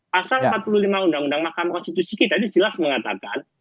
pasal empat puluh lima undang undang mahkamah konstitusi kita itu jelas mengatakan